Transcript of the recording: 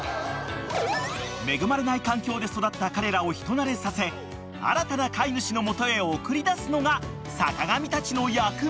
［恵まれない環境で育った彼らを人なれさせ新たな飼い主の元へ送り出すのが坂上たちの役目だが］